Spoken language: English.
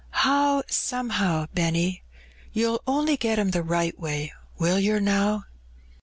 "How somehow, Benny? You'll only get 'em the right way, will yer, now?"